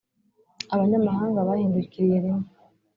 abanyamahanga bahindukiriye rimwe.